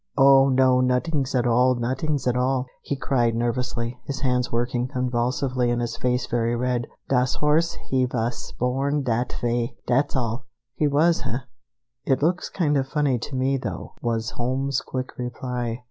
"Oh, no, nuttings at all, nuttings at all!" he cried nervously, his hands working convulsively and his face very red. "Das horse he vas born dat way! Dat's all!" "He was, eh? It looks kind of funny to me, though," was Holmes's quick reply.